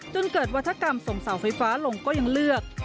จนเกิดวัฒกรรมส่งเสาไฟฟ้าลงก็ยังเลือก